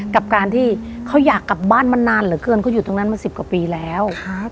กับการที่เขาอยากกลับบ้านมานานเหลือเกินเขาอยู่ตรงนั้นมาสิบกว่าปีแล้ว